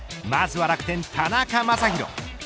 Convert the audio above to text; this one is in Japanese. まずは楽天、田中将大。